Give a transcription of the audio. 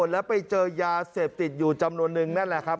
แล้วไปเจอยาเสพติดอยู่จำนวนนึงนั่นแหละครับ